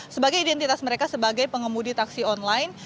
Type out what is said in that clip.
sebagai identitas mereka sebagai pengemudi taksi online